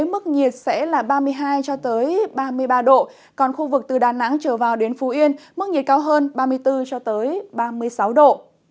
mức nhiệt sẽ là ba mươi hai cho tới ba mươi ba độ còn khu vực từ đà nẵng trở vào đến phú yên mức nhiệt cao hơn ba mươi bốn cho tới ba mươi sáu độ